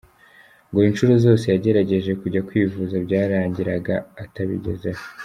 Ngo inshuro zose yagerageje kujya kwivuza byarangiraga atabigezeho.